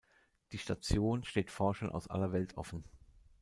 Die Station steht Forschern aus aller Welt offen.